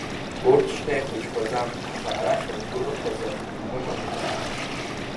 Урҭ шьҭа ихәыҷқәаӡам, аха арахь ргәы рыхозар, ибыманы баа.